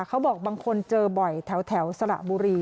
เขาบอกบางคนเจอบ่อยแถวสระบุรี